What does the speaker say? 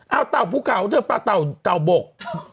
เอาเต่าภูเขาเถอะปลาเต่าเต่าบก